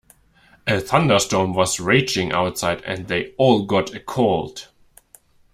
A thunderstorm was raging outside and they all got a cold.